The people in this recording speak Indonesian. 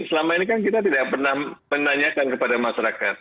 selama ini kan kita tidak pernah menanyakan kepada masyarakat